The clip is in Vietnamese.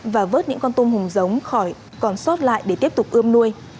và vớt những con tôm hùm giống khỏi còn xót lại để tiếp tục ươm nuôi